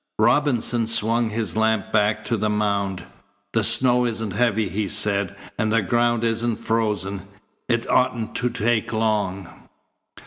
Robinson swung his lamp back to the mound. "The snow isn't heavy," he said, "and the ground isn't frozen. It oughtn't to take long."